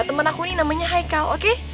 temen aku ini namanya haikal oke